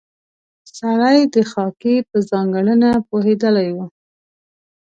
سړی د خاکې په ځانګړنه پوهېدلی و.